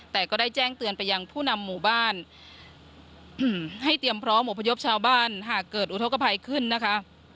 แต่ก็ได้แจ้งเตือนไปยังผู้นำหมู่บ้านให้เตรียมพร้อมอพยพชาวบ้านหากเกิดอุทธกภัยขึ้นนะคะ